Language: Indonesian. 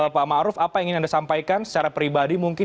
pak ma'ruf apa yang ingin anda sampaikan secara pribadi mungkin